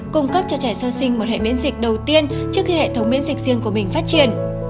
cung cấp cho trẻ sơ sinh một hệ miễn dịch đầu tiên trước khi hệ thống miễn dịch riêng của mình phát triển